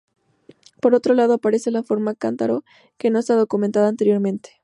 Por otro lado aparece la forma cántaro, que no está documentada anteriormente.